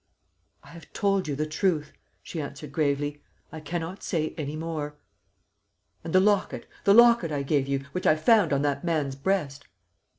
"I have told you the truth," she answered gravely; "I cannot say any more." "And the locket the locket I gave you, which I found on that man's breast?"